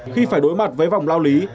khi phải đối mặt với vòng lao lý